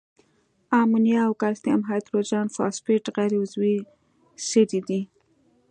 امونیا او کلسیم هایدروجن فاسفیټ غیر عضوي سرې دي.